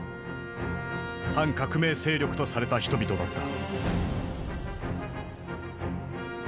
反革命勢力とされた人々だった。